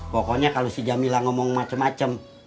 pokoknya kalau si jamila ngomong macem macem